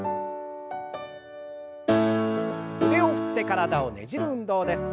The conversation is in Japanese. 腕を振って体をねじる運動です。